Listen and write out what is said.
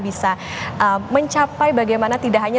bisa mencapai bagaimana tidak hanya